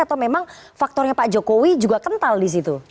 atau memang faktornya pak jokowi juga kental disitu